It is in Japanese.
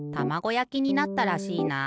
やきになったらしいな。